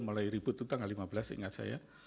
mulai ribut itu tanggal lima belas seingat saya